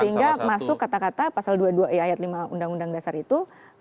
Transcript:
sehingga masuk kata kata pasal dua puluh dua e ayat lima undang undang dasar itu